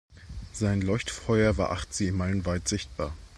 Sein Leuchtfeuer war acht Seemeilen weit sichtbar.